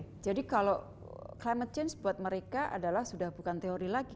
iya jadi kalau climate change buat mereka adalah sudah bukan teori lagi